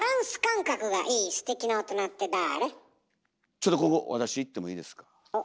ちょっとここ私いってもいいですか？